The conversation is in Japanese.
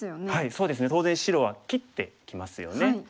そうですね当然白は切ってきますよね。